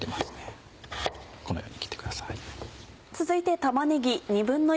続いて。